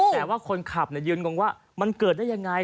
แต่ว่าคนขับยืนงงว่ามันเกิดได้ยังไง